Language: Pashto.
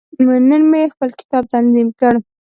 نن مې خپل کتاب تنظیم کړ.